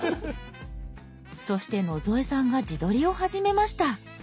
そして野添さんが自撮りを始めました。